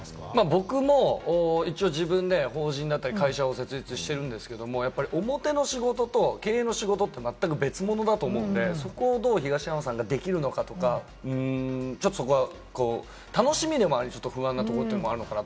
僕も自分で法人や会社を設立しているんですけれども、表の仕事と経営の仕事はまったく別物だと思うので、そこをどう東山さんができるのかとか、そこは楽しみでもあり、不安なところでもあるのかなと。